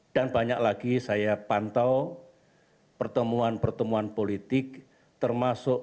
dan banyak lagi saya pantau pertemuan pertemuan politik termasuk